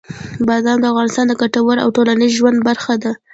بادام د افغانانو د ګټورتیا او ټولنیز ژوند برخه ده.